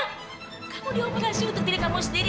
kamu dioperasi untuk diri kamu sendiri